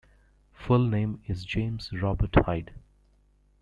Full name is James Robert Hyde.